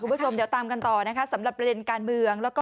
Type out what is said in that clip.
คุณผู้ชมเดี๋ยวตามกันต่อนะคะสำหรับประเด็นการเมืองแล้วก็